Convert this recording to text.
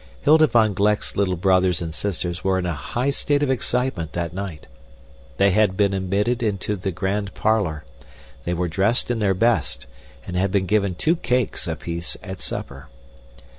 Hilda van Gleck's little brothers and sisters were in a high state of excitement that night. They had been admitted into the grand parlor; they were dressed in their best and had been given two cakes apiece at supper.